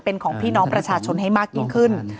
เป็นของพี่น้องประชาชนให้มากยิ่งขึ้น